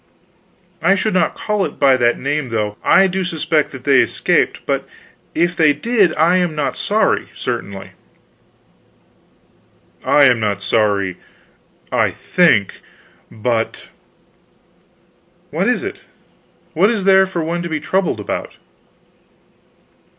"I should not call it by that name though. I do suspect that they escaped, but if they did, I am not sorry, certainly." "I am not sorry, I think but " "What is it? What is there for one to be troubled about?"